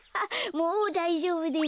もうだいじょうぶです。